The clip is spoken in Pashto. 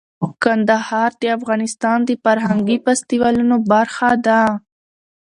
کندهار د افغانستان د فرهنګي فستیوالونو برخه ده.